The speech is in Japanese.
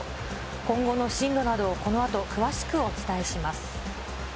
今後の進路など、このあと詳しくお伝えします。